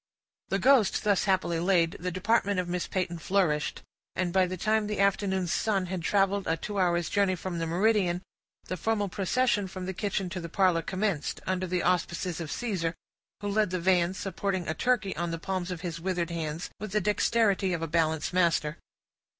The ghost thus happily laid, the department of Miss Peyton flourished; and by the time the afternoon's sun had traveled a two hours' journey from the meridian, the formal procession from the kitchen to the parlor commenced, under the auspices of Caesar, who led the van, supporting a turkey on the palms of his withered hands, with the dexterity of a balance master.